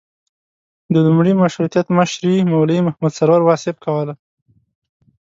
د لومړي مشروطیت مشري مولوي محمد سرور واصف کوله.